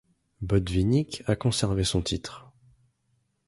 Botvinnik a conservé son titre.